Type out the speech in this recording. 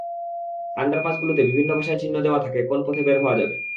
আন্ডারপাসগুলোতে বিভিন্ন ভাষায় চিহ্ন দেওয়া থাকে কোন পথে বের হওয়া যাবে।